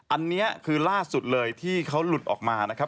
อันนี้คือล่าสุดเลยที่เขาหลุดออกมานะครับ